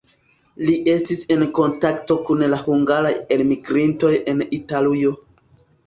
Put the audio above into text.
Li estis en kontakto kun la hungaraj elmigrintoj en Italujo.